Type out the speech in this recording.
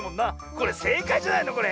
これせいかいじゃないのこれ？